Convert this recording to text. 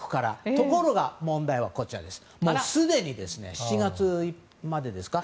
ところが、問題はすでに７月までですか。